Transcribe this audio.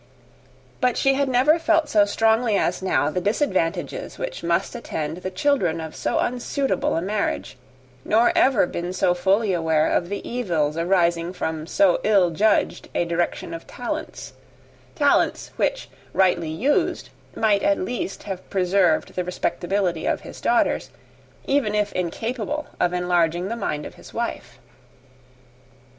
But she had never felt so strongly as now the disadvantages which must attend the children of so unsuitable a marriage, nor ever been so fully aware of the evils arising from so ill judged a direction of talents talents which, rightly used, might at least have preserved the respectability of his daughters, even if incapable of enlarging the mind of his wife.